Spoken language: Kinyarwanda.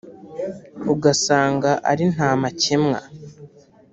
ugasanga ari nta makemwa